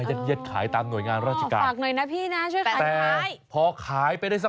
ยัดเย็ดขายตามหน่วยงานราชิการ